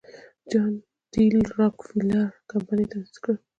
جان ډي راکلفیلر کمپنۍ تاسیس کړه.